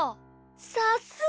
さすが。